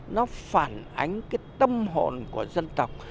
nó phản ánh cái tâm hồn của dân tộc